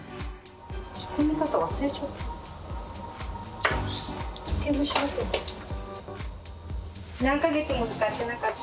仕込み方、忘れちゃった。